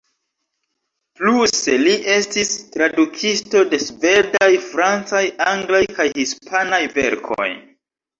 Pluse li estis tradukisto de svedaj, francaj, anglaj kaj hispanaj verkoj.